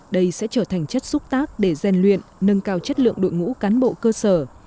đây sẽ trở thành chất xúc tác để gian luyện nâng cao chất lượng đội ngũ cán bộ cơ sở